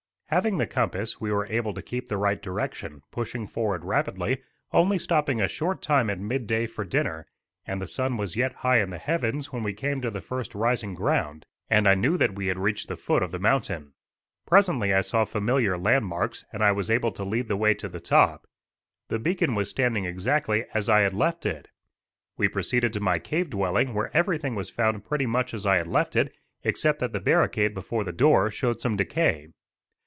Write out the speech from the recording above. Having the compass, we were able to keep the right direction, pushing forward rapidly, only stopping a short time at mid day for dinner, and the sun was yet high in the heavens when we came to the first rising ground, and I knew that we had reached the foot of the mountain. Presently I saw familiar land marks, and I was able to lead the way to the top. The beacon was standing exactly as I had left it. We proceeded to my cave dwelling, where everything was found pretty much as I had left it, except that the barricade before the door showed some decay.